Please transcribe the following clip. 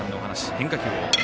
変化球を。